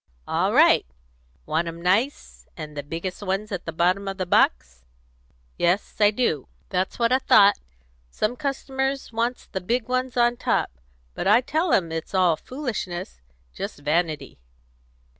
"All right! Want 'em nice, and the biggest ones at the bottom of the box?" "Yes, I do." "That's what I thought. Some customers wants the big ones on top; but I tell 'em it's all foolishness; just vanity."